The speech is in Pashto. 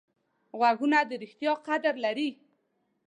غوږونه د ریښتیا قدر لري